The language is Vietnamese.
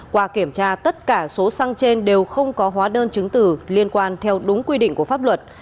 qua kiểm tra tất cả số xăng trên đều không có hóa đơn chứng tử liên quan theo đúng quy định của pháp luật